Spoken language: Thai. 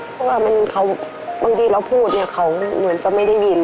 เพราะว่าบางทีเราพูดเนี่ยเขาเหมือนจะไม่ได้ยิน